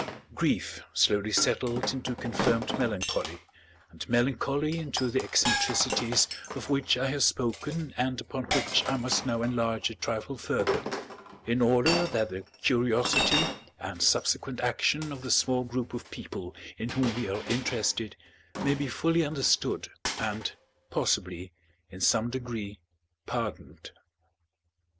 Grief slowly settled into confirmed melancholy, and melancholy into the eccentricities of which I have spoken and upon which I must now enlarge a trifle further, in order that the curiosity and subsequent action of the small group of people in whom we are interested may be fully understood and, possibly, in some degree pardoned.